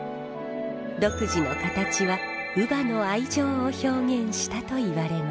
独自の形は乳母の愛情を表現したといわれます。